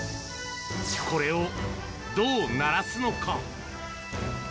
これを、どう鳴らすのか？